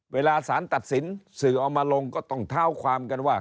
เวลาสารตัดสินสื่อเอามาลงก็ต้องเท้าความกันว่า